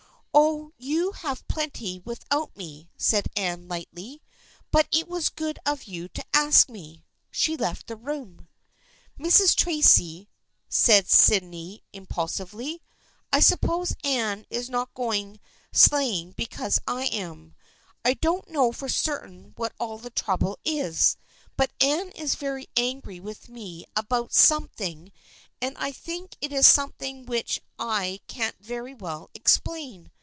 " Oh, you have plenty without me," said Anne lightly, " but it was good of you to ask me." She left the room. " Mrs. Tracy," said Sydney impulsively, " I sup pose Anne is not going sleighing because I am. I don't know for certain what all the trouble is, but Anne is very angry with me about something THE FKIENDSHIP OF ANNE 151 and I think it is something which I can't very well explain.